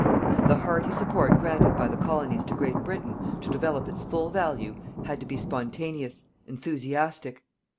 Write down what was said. The hearty support granted by the colonies to Great Britain, to develop its full value, had to be spontaneous, enthusiastic.